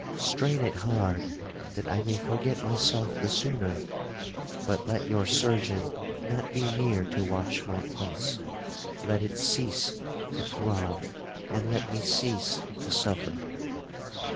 —strain it hard, that I may forget myself the sooner; but let your surgeon not be near to watch my pulse,—let it cease to throb, and let me cease to suffer.'